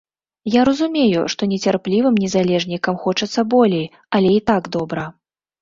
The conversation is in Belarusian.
Я разумею, што нецярплівым незалежнікам хочацца болей, але і так добра.